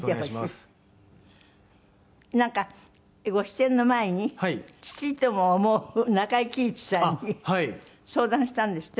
なんかご出演の前に父とも思う中井貴一さんに相談したんですって？